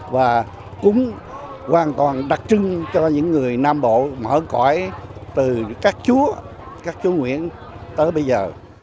và cũng hoàn toàn đặc trưng cho những người nam bộ mở cõi từ các chúa các chú nguyễn tới bây giờ